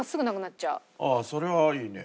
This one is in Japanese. ああそれはいいね。